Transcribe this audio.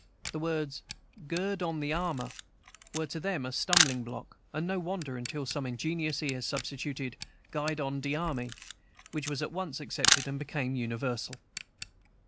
The words, "Gird on the armor," were to them a stumbling block, and no wonder, until some ingenious ear substituted, "Guide on de army," which was at once accepted, and became universal.